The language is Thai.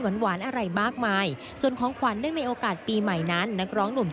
แต่ว่าเวลาบ้างว้างมากินข้ากับกันหน่อย